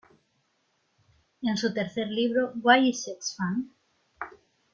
En su tercer libro, "Why is Sex Fun?